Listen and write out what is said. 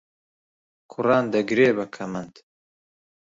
کوڕان دەگرێ بە کەمەند